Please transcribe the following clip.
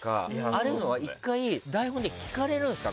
ああいうのは１回台本で聞かれるんですか。